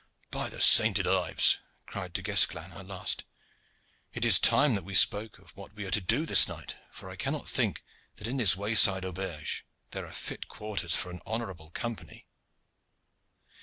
"By the sainted Ives!" cried Du Guesclin at last, "it is time that we spoke of what we are to do this night, for I cannot think that in this wayside auberge there are fit quarters for an honorable company."